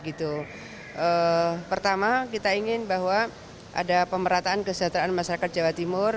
itu pertama kita ingin bahwa ada pemerataan kesejahteraan masyarakat jawa timur